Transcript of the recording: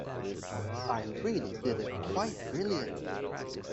I really did it quite brilliantly.